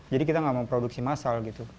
jadi kita nggak mau produksi massal gitu